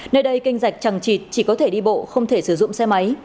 nơi đây kênh rạch chẳng chịt chỉ có thể đi bộ không thể sử dụng xe máy